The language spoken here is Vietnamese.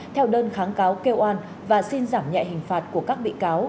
theo đơn kháng cáo kêu oan và xin giảm nhẹ hình phạt của các bị cáo